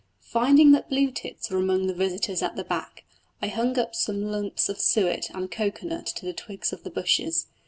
Finding that blue tits were among the visitors at the back, I hung up some lumps of suet and a cocoa nut to the twigs of the bushes.